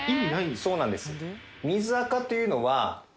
そうなんです。